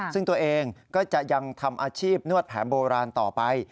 ซึ่งตัวเองก็จะยังทำอาชีพนวดแผนโบราณต่อไป